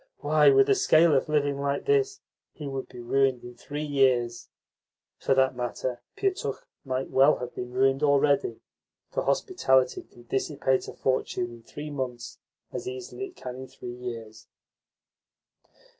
"Why, with a scale of living like this, he would be ruined in three years." For that matter, Pietukh might well have been ruined already, for hospitality can dissipate a fortune in three months as easily as it can in three years.